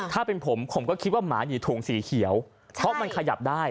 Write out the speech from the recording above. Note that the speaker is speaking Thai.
ถ้าเป็นผมผมก็คิดว่าหมาอยู่ถุงสีเขียวเพราะมันขยับได้